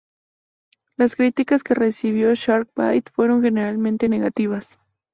Las críticas que recibió "Shark Bait" fueron generalmente negativas.